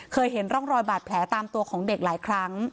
เห็นร่องรอยบาดแผลตามตัวของเด็กหลายครั้ง